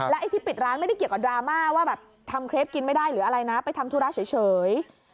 ไอ้ที่ปิดร้านไม่ได้เกี่ยวกับดราม่าว่าแบบทำเครปกินไม่ได้หรืออะไรนะไปทำธุระเฉย